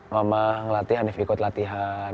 mama ngelatih hanif ikut latihan